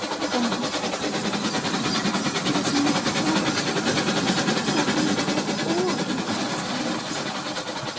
"Then," said Mary, "he is not far away, for we are all in God's arms."